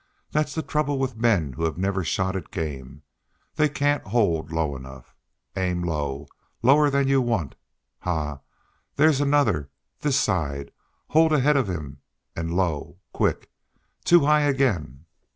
That's the trouble with men who have never shot at game. They can't hold low enough. Aim low, lower than you want. Ha! There's another this side hold ahead of him and low, quick! too high again."